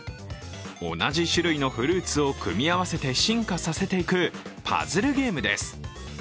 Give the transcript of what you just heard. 同じ種類のフルーツを組み合わせて進化させていくパズルゲームです。